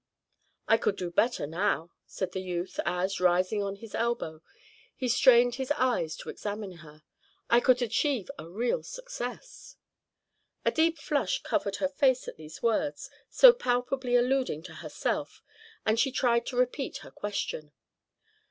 "I could do better now," said the youth, as, rising on his elbow, he strained his eyes to examine her. "I could achieve a real success." A deep flush covered her face at these words, so palpably alluding to herself, and she tried to repeat her question.